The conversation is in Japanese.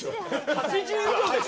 ８０以上でしょ。